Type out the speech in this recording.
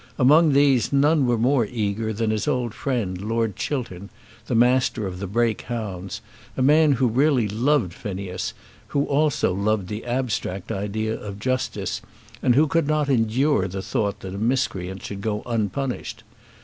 Among these none were more eager than his old friend Lord Chiltern, the Master of the Brake hounds, a man who really loved Phineas, who also loved the abstract idea of justice, and who could not endure the thought that a miscreant should go unpunished.